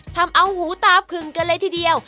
ทำเอาหูตาผึงกันเลยทีเดียว